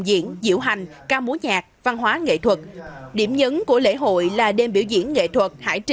diễn diễu hành ca múa nhạc văn hóa nghệ thuật điểm nhấn của lễ hội là đêm biểu diễn nghệ thuật hải